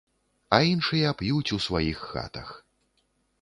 А іншыя п'юць у сваіх хатах.